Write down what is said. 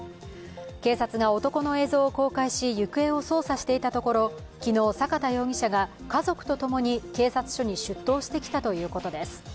警察が男の映像を公開し、行方を捜査していたところ昨日、坂田容疑者が家族とともに警察に出頭してきたということです。